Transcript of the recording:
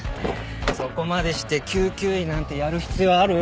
そこまでして救急医なんてやる必要ある？